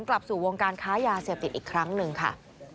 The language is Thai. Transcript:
และก็จะหายาเสพติดอีกครั้งนึงค่ะ